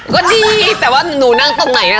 ก็ดีแต่ว่าหนูนั่งตรงไหน